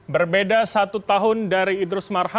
berbeda satu tahun dari idrus marham